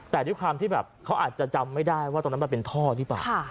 ภาคที่เขาอาจจะจำไม่ได้ว่าตรงนี้เป็นท่อหรือเปล่า